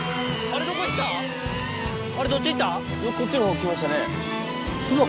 こっちのほう来ましたね巣箱？